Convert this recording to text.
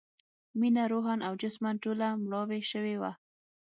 مينه روحاً او جسماً ټوله مړاوې شوې وه